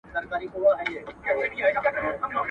پر ها بل یې له اسمانه ټکه لوېږي.